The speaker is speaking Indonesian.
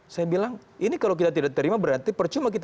saya bilang ini kalau kita tidak terima berarti percuma kita